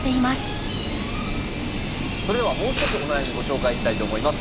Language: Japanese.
それではもう一つお悩みご紹介したいと思います。